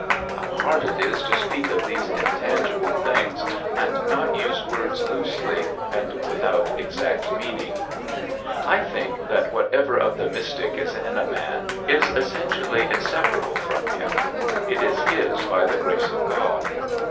(How hard it is to speak of these intangible things and not use words loosely and without exact meaning.) I think that whatever of the mystic is in a man is essentially inseparable from him; it is his by the grace of God.